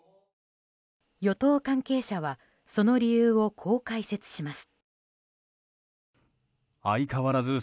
与党関係者は、その理由をこう解説します。